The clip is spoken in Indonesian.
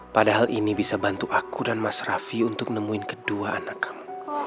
padahal ini bisa bantu aku dan mas raffi untuk nemuin kedua anak kamu